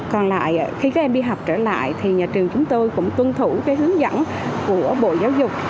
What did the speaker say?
còn lại khi các em đi học trở lại thì nhà trường chúng tôi cũng tuân thủ cái hướng dẫn của bộ giáo dục